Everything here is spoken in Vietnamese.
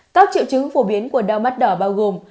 các triệu chứng phổ biến của đau mắt đỏ bao gồm